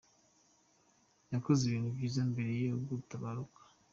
Yakoze ibintu byiza mbere yo gutabaruka.